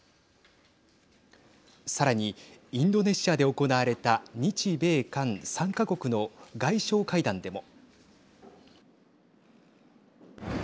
さらに、インドネシアで行われた日米韓３か国の外相会談でも。